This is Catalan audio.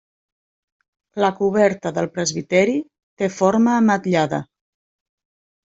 La coberta del presbiteri té forma ametllada.